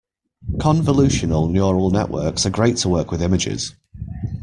Convolutional Neural Networks are great to work with images.